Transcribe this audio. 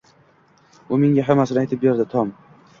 U menga hammmasini aytib berdi, Tom